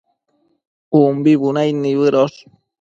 umbi bunaid nibëdosh